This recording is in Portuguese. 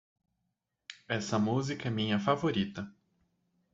Essa música é minha favorita.